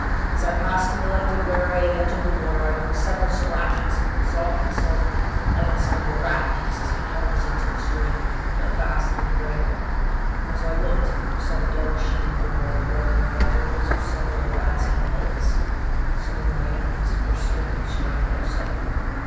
As I passed to the left of where I had entered the water I heard several splashes, soft and stealthy, like the sound a rat makes as he plunges into the stream, but vastly greater; and as I looked I saw the dark sheen of the water broken by the ripples of several advancing heads. Some of my enemies were swimming the stream also.